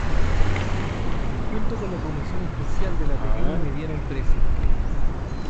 Junto con la Comisión Especial de la Pequeña y Mediana Empresa.